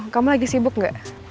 kamu lagi sibuk nggak